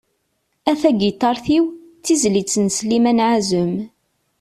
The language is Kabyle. "A tagiṭart-iw", d tizlit n Sliman Ԑazem.